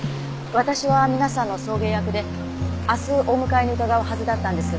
私は皆さんの送迎役で明日お迎えに伺うはずだったんです。